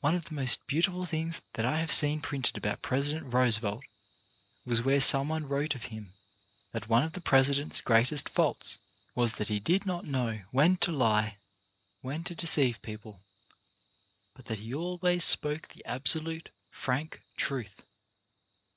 One of the most beautiful things that I have seen printed about President Roosevelt was where someone wrote of him that one of the President's greatest faults was that he did not know when to lie — when to deceive people — but that he always spoke the absolute, frank truth.